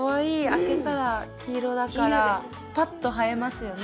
開けたら黄色だからパッと映えますよね。